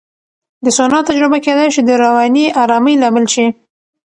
د سونا تجربه کېدای شي د رواني آرامۍ لامل شي.